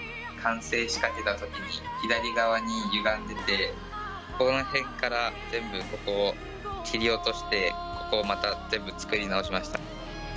完成しかけたけど、左側にゆがんでて、この辺から全部、ここを切り落として、ここをまた全部作り直しました。